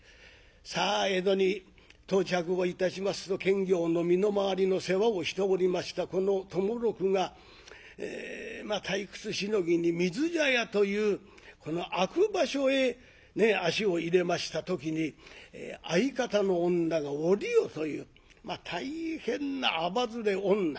さあ江戸に到着をいたしますと検校の身の回りの世話をしておりましたこの友六が退屈しのぎに水茶屋というこの悪場所へ足を入れました時に相方の女が「おりよ」という大変なあばずれ女。